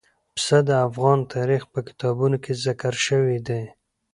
پسه د افغان تاریخ په کتابونو کې ذکر شوي دي.